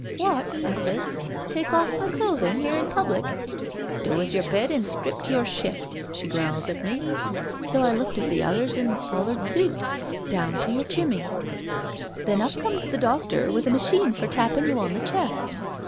'What?' I sez, 'take off my clothing here in public?' 'Do as you're bid and strip to your shift,' she growls at me; so I looked at the others and foU^red suit— down to yer cbimmy. ii6 NO SURRENDER Then up comes the doctor with a machine for tappin' you on the chest.